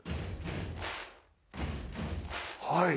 はい！